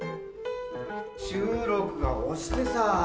収録が押してさ。